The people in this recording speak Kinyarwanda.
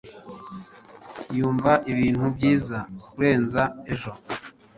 Yumva ibintu byiza kurenza ejo.